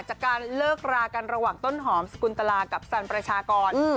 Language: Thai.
จากการเลิกรากันระหว่างต้นหอมสกุลตลากับสันประชากร